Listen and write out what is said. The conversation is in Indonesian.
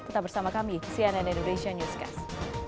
tetap bersama kami di cnn indonesia newscast